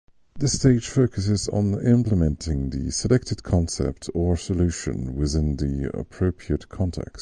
This stage focuses on implementing the selected concept or solution within the appropriate context.